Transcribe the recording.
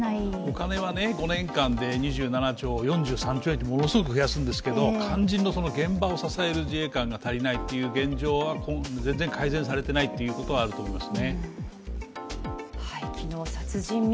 お金は５年間で２７兆、４３兆ってものすごく増やすんですけど、肝心の現場を支える自衛官の数が足りないという現状は全然改善されていないということがあると思います。